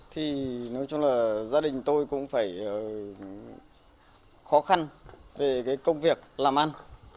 thì nói chung là gia đình tôi cũng phải khó khăn về cái công việc làm ăn